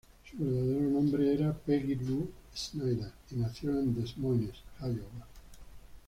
Su verdadero nombre era Peggy Lou Snyder, y nació en Des Moines, Iowa.